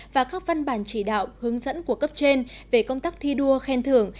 và các văn bản chỉ đạo hướng dẫn của cấp trên về công tác thi đua khen thưởng